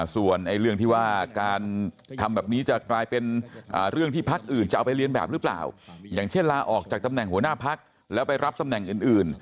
ส่วนเรื่องที่ว่าการทำแบบนี้จะกลายเป็นเรื่องที่พักอื่นจะเอาไปเรียนแบบหรือเปล่าอย่างเช่นลาออกจากตำแหน่งหัวหน้าพักแล้วไปรับตำแหน่งอื่น